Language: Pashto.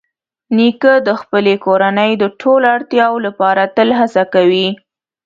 نیکه د خپلې کورنۍ د ټولو اړتیاوو لپاره تل هڅه کوي.